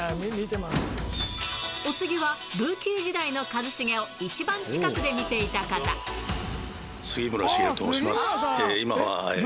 お次は、ルーキー時代の一茂を一番近くで見ていた方。杉村繁と申します。